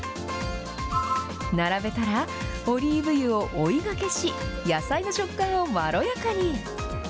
並べたら、オリーブ油を追いがけし、野菜の食感をまろやかに。